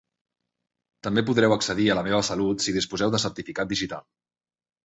També podreu accedir a La Meva Salut si disposeu de certificat digital.